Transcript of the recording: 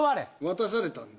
渡されたんで。